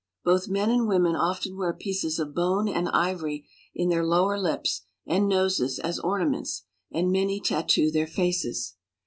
Both men and women often wear pieces of bone and ivory in their lower lips and noses as ornaments, and many tat too their faces.